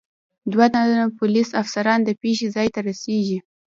دو تنه پولیس افسران د پېښې ځای ته رسېږي.